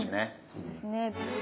そうですね。